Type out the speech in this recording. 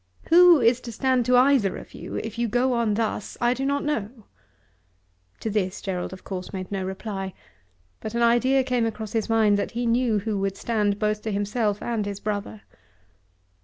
"Who is to stand to either of you if you go on thus I do not know." To this Gerald of course made no reply, but an idea came across his mind that he knew who would stand both to himself and his brother.